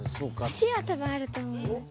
橋は多分あると思います。